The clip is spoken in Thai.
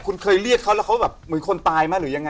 คุณเคยเรียกเขาแล้วเขาแบบเหมือนคนตายไหมหรือยังไง